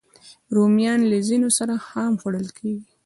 رومیان له ځینو سره خام خوړل کېږي